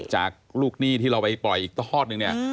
จากลูกหนี้ที่เราไปปล่อยอีกทอดนึงเนี่ย